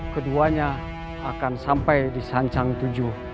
keduanya akan sampai di sancang tujuh